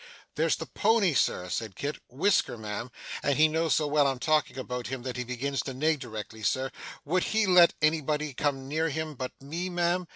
'There's the pony, sir,' said Kit 'Whisker, ma'am (and he knows so well I'm talking about him that he begins to neigh directly, Sir) would he let anybody come near him but me, ma'am?